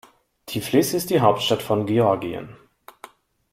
Tiflis ist die Hauptstadt von Georgien.